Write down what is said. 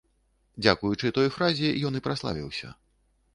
Дзякуючы той фразе ён і праславіўся.